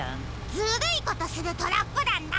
ずるいことするトラップだんだ！